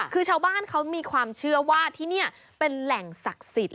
คือชาวบ้านเขามีความเชื่อว่าที่นี่เป็นแหล่งศักดิ์สิทธิ